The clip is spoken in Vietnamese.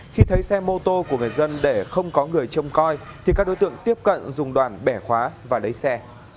khi thấy xe mô tô của người dân để không có người trông coi thì các đối tượng tiếp cận dùng đoàn bẻ khóa và lấy xe